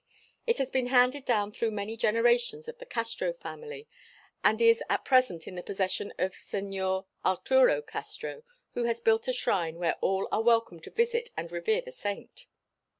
It has been handed down through many generations of the Castro family and is at present in the possession of Sr. Arturo Castro who has built a shrine where all are welcome to visit and revere the saint.